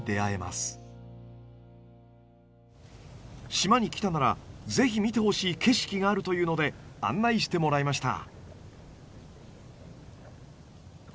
島に来たなら是非見てほしい景色があるというので案内してもらいました。